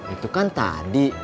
itu kan tadi